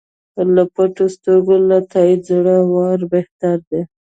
له پټو سترګو له تاییده زر واره بهتر دی.